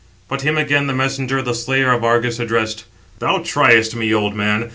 But him again the messenger, the slayer of Argus, addressed: "Thou triest me, old man.